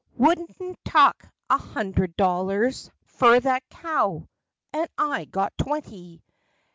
Would n't tuck a hundred dollars Fer that cow ! And I got twenty